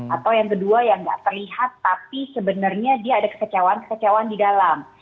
atau yang kedua yang nggak terlihat tapi sebenarnya dia ada kesecewaan kesecewaan di dalam